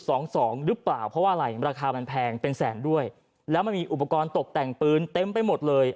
สองสองหรือเปล่าเพราะว่าอะไรราคามันแพงเป็นแสนด้วยแล้วมันมีอุปกรณ์ตกแต่งปืนเต็มไปหมดเลย